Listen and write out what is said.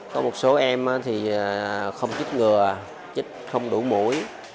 có một số em thì không chích ngừa chích không đủ mũi